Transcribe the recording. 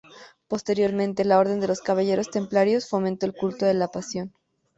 Posteriormente, la Orden de los Caballeros Templarios fomentó el culto de la Pasión.